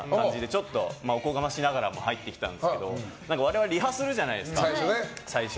ちょっとおこがましいながらも入ってきたんですけど我々、リハーサルあるじゃないですか、最初。